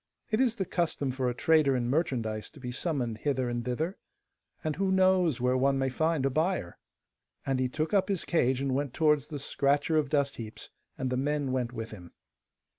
It is the custom for a trader in merchandise to be summoned hither and thither, and who knows where one may find a buyer?' And he took up his cage and went towards the scratcher of dust heaps, and the men went with him.